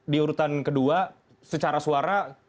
di urutan kedua secara suara